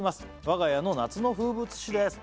「我が家の夏の風物詩です」